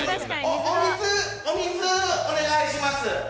お水、お願いします。